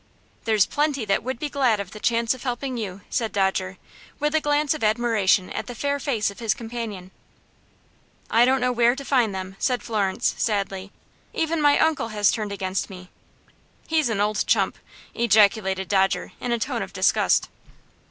"There's plenty that would be glad of the chance of helping you," said Dodger, with a glance of admiration at the fair face of his companion. "I don't know where to find them," said Florence, sadly. "Even my uncle has turned against me." "He's an old chump!" ejaculated Dodger, in a tone of disgust.